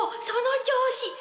その調子！